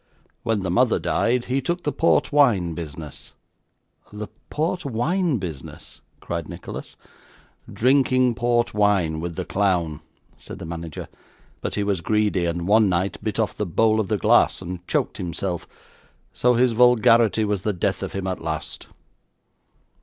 When the mother died, he took the port wine business.' 'The port wine business!' cried Nicholas. 'Drinking port wine with the clown,' said the manager; 'but he was greedy, and one night bit off the bowl of the glass, and choked himself, so his vulgarity was the death of him at last.